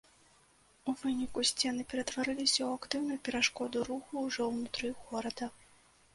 У выніку, сцены ператварыліся ў актыўную перашкоду руху ўжо ўнутры горада.